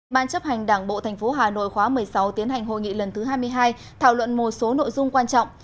ban chấp hành đảng bộ tp hà nội khóa một mươi sáu tiến hành hội nghị lần thứ hai mươi hai thảo luận một số nội dung quan trọng